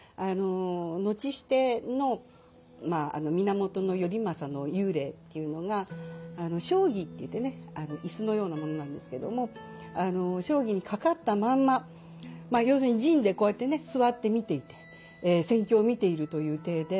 後シテの源頼政の幽霊っていうのが床几って言ってね椅子のようなものなんですけども床几に掛かったまんま要するに陣でこうやってね座って見ていて戦況を見ているという体で。